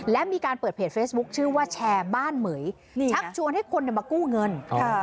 และมีการเปิดเพจเฟซบุ๊คชื่อว่าแชร์บ้านเหม๋ยชักชวนให้คนมากู้เงินค่ะ